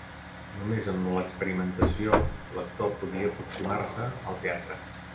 Només amb l’experimentació l’actor podia aproximar-se al teatre.